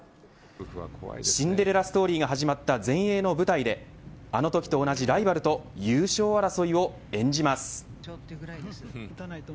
シンデレラストーリーが始まった全英の舞台であのときと同じライバルと優勝争いを演じます。